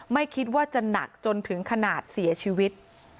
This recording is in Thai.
ไม่คิดว่าจะหนักจนถึงขนาดเสียชีวิต